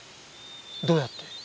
どうやって？